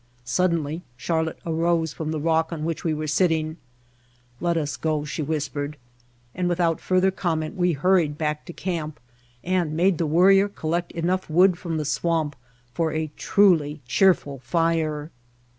Suddenly Charlotte arose from the rock on which we were sitting. "Let us go," she whispered, and without fur ther comment we hurried back to camp and made the Worrier collect enough wood from the swamp for a truly cheerful fire.